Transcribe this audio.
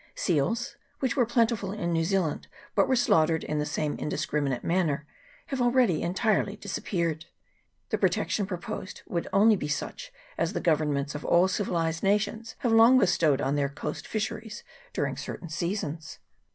Seals, which were plentiful in New Zealand, but were slaughtered in the same indiscriminate man ner, have already entirely disappeared. The pro tection proposed would only be such as the govern ments of all civilized nations have long bestowed on their coast fisheries during certain seasons.